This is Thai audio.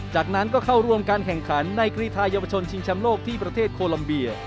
จากนั้นก็เข้าร่วมการแข่งขันในกรีทายาวชนชิงแชมป์โลกที่ประเทศโคลัมเบีย